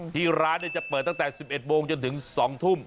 ที่ร้านจะเปิดตั้งแต่๑๑โมงจนถึง๒ทุ่ม